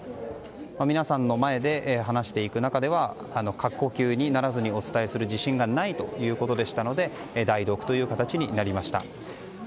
皆さんの前で話していく中では過呼吸にならずにお伝えする自信がないということで代読という形になりました。